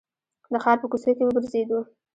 د ښار په کوڅو کې وګرځېدو.